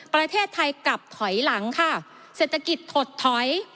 ประเทศไทยกลับถอยหลังค่ะเศรษฐกิจถดถอย